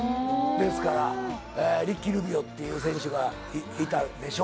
ですから、リッキー・ルビオっていう選手がいたでしょ？